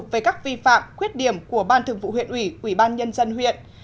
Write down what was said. về các vi phạm khuyết điểm của ban thường vụ huyện ủy ubnd huyện